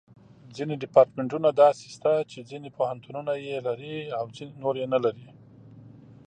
ځینې ډیپارټمنټونه داسې شته چې ځینې پوهنتونونه یې لري او نور یې نه لري.